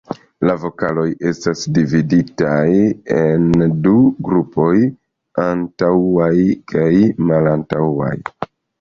La vokaloj estas dividitaj en du grupoj: antaŭaj kaj malantaŭaj.